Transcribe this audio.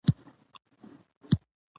عبارت بې فعله يي.